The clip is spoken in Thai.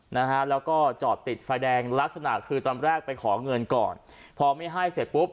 นะฮะแล้วก็จอดติดไฟแดงลักษณะคือตอนแรกไปขอเงินก่อนพอไม่ให้เสร็จปุ๊บ